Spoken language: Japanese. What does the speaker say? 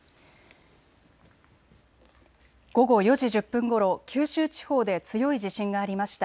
午後４時１０分ごろ、九州地方で強い地震がありました。